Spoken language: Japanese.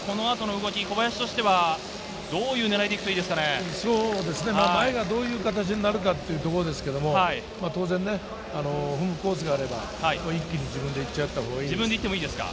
小林としてはどういう狙いで前がどういう形になるかというところですけれど、当然踏むコースがあれば一気に自分で行っちゃったほうがいいです。